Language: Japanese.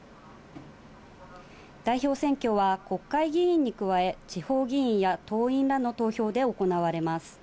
代表選挙は、国会議員に加え、地方議員や党員らの投票で行われます。